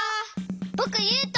ぼくゆうと。